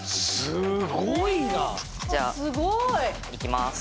すごい！じゃあいきます。